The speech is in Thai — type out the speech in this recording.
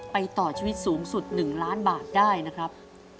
ต่อชีวิตสูงสุด๑ล้านบาทได้นะครับ